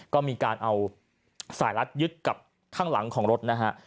ก็มีการเอาสายรัดยึดกับข้างหลังของรถนะฮะ